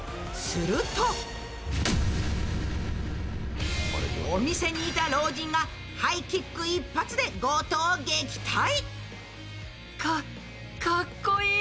すると、お店にいた老人がハイキック一発で強盗を撃退。